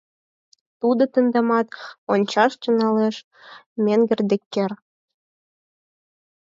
— Тудо тендамат ончаш тӱҥалеш, менгер Деккер.